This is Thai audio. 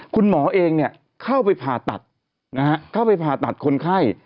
คุณหมอเองเข้าไปผ่าตัดนะฮะเข้าไปผ่าตัดคนไข้